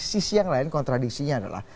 sisi yang lain kontradiksinya adalah